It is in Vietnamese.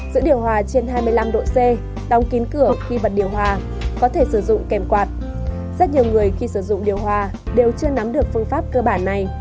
rất nhiều người khi sử dụng điều hòa đều chưa nắm được phương pháp cơ bản này